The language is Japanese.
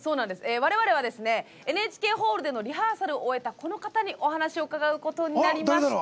我々は、ＮＨＫホールでのリハーサルを終えたこの方にお話を伺うことになりました。